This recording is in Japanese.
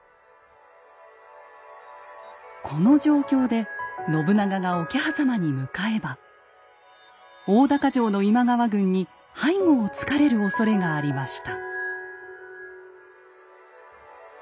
この状況で信長が桶狭間に向かえば大高城の今川軍に背後をつかれるおそれがありました。